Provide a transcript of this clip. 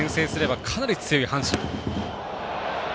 先制すればかなり強い阪神。